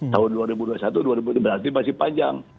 tahun dua ribu dua puluh satu dua ribu dua puluh tiga masih panjang